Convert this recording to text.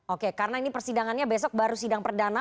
oke karena ini persidangannya besok baru sidang perdana